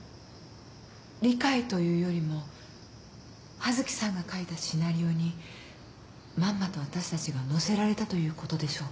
理解というよりも刃月さんが書いたシナリオにまんまと私たちが乗せられたということでしょうか？